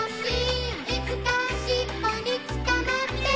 「いつかしっぽに捕まって」